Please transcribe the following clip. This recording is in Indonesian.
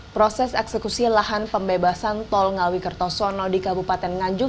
proses eksekusi lahan pembebasan tol ngawi kertosono di kabupaten nganjuk